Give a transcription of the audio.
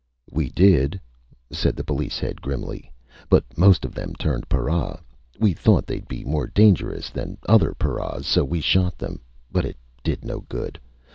"We did," said the police head, grimly. "But most of them turned para. We thought they'd be more dangerous than other paras, so we shot them. But it did no good.